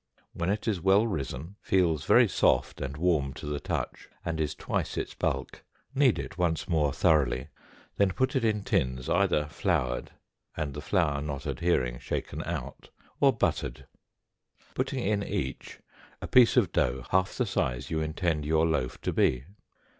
When it is well risen, feels very soft and warm to the touch, and is twice its bulk, knead it once more thoroughly, then put it in tins either floured, and the flour not adhering shaken out, or buttered, putting in each a piece of dough half the size you intend your loaf to be.